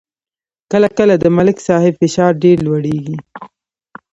کله کله د ملک صاحب فشار ډېر لوړېږي.